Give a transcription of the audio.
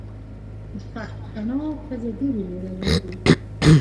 د پښتنو ښځې ډیرې میړنۍ دي.